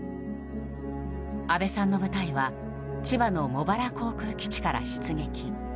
阿部さんの部隊は千葉の茂原航空基地から出撃。